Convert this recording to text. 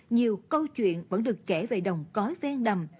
nhiều câu chuyện vẫn được kể về đồng cói ven đầm